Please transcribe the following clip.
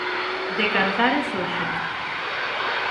De Cantares hoxe.